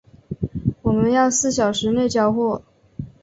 我们要四小时内交货